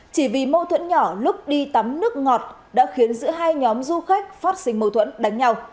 chỉ vì mâu thuẫn nhỏ lúc đi tắm nước ngọt đã khiến giữa hai nhóm du khách phát sinh mâu thuẫn đánh nhau